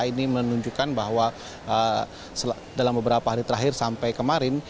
ini menunjukkan bahwa dalam beberapa hari terakhir sampai kemarin